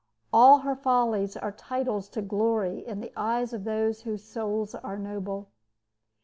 All her follies are titles to glory in the eyes of those whose souls are noble.